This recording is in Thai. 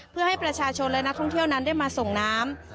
เพื่อให้ประชาชนและนักท่องเที่ยวนั้นได้มาส่งน้ำ